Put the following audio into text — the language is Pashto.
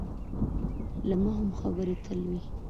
له ما هم خبرې تل وي.